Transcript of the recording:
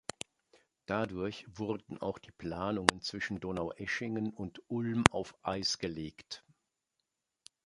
Dadurch wurden auch die Planungen zwischen Donaueschingen und Ulm auf Eis gelegt.